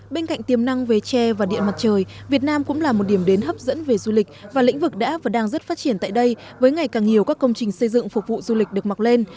bên cạnh tiềm năng về tre và điện mặt trời việt nam cũng là một điểm đến hấp dẫn về du lịch và lĩnh vực đã và đang rất phát triển tại đây với ngày càng nhiều các công trình xây dựng phục vụ du lịch được mặc lên